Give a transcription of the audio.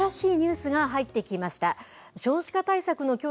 ここで、新しいニュースが入ってきました。